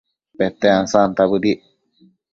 Pete ansanta bëdic